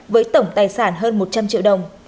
với tổng tài sản hơn một trăm linh triệu đồng